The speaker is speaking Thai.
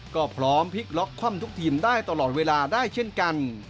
ก็พร้อมพลิกล็อกคว่ำทุกทีมได้ตลอดเวลาได้เช่นกัน